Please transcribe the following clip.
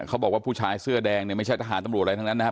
เขาบอกว่าผู้ชายเสื้อแดงเนี่ยไม่ใช่ทหารตำรวจอะไรทั้งนั้นนะครับ